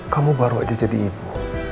kamu baru aja jadi ibu